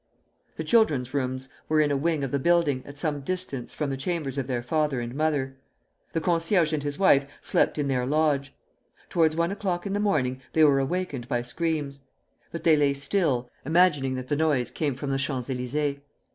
The children's rooms were in a wing of the building, at some distance from the chambers of their father and mother. The concierge and his wife slept in their lodge. Towards one o'clock in the morning they were awakened by screams; but they lay still, imagining that the noise came from the Champs Elysées.